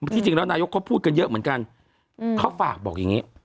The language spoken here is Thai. ที่จริงแล้วนายกเขาพูดกันเยอะเหมือนกันเขาฝากบอกอย่างนี้